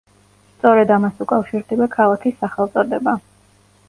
სწორედ ამას უკავშირდება ქალაქის სახელწოდება.